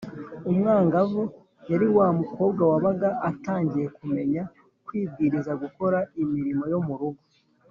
umwangavu yari wa mukobwa wabaga atangiye kumenya kwibwiriza gukora imirimo yo mu rugo